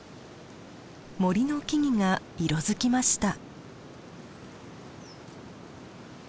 森の木々が色づきました。